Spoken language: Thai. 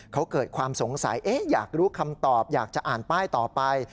เขาเกิดความสงสัยอยากรู้คำตอบอยากจะอ่านป้ายต่อไป